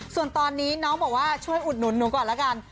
ส่วนตอนนี้น้องบอกว่าช่วยอุดหนุนหนูก่อนแล้วกัน